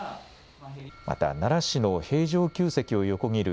また奈良市の平城宮跡を横切る